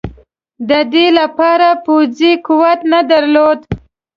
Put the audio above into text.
د دې لپاره پوځي قوت نه درلود.